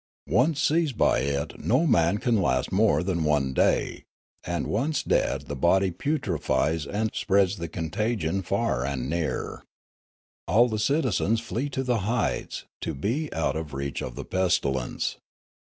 Once seized by it no man can last more than one day ; and once dead the body putrefies and spreads the contagion far and near. All the citizens flee to the heights, to be out of reach of the pestilence.